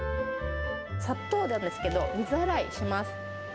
さっとなんですけど、水洗いします。